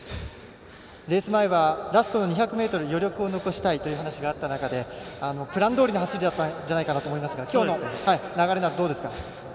レース前はラストの２００ｍに余力を残したいという話があった中でプランどおりの走りだったと思いますがきょうの流れだとどうですか？